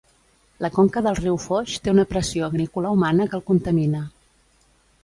La conca del riu Foix, té una pressió agrícola humana que el contamina